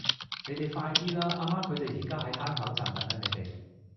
你哋快啲啦!阿媽佢哋而家喺坑口站等緊你哋